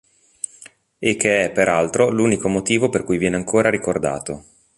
E che è peraltro l'unico motivo per cui viene ancora ricordato.